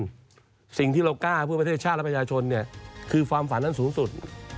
สิ่งที่เรากล้าเพื่อประเทศชาติและประชาชนเนี่ยคือความฝันนั้นสูงสุด